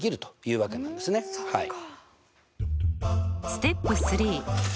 そっか。